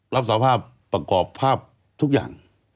รับสภาพประกอบภาพทุกอย่าง